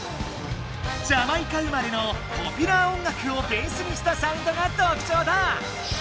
ジャマイカ生まれのポピュラー音楽をベースにしたサウンドがとくちょうだ！